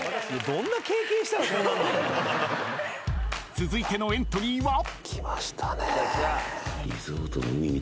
［続いてのエントリーは］来ましたね。